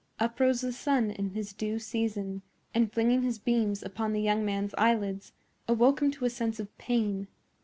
Up rose the sun in his due season, and, flinging his beams upon the young man's eyelids, awoke him to a sense of pain.